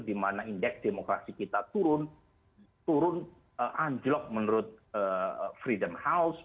di mana indeks demokrasi kita turun turun anjlok menurut freedom house